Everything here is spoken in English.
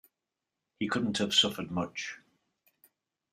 He couldn't have suffered much.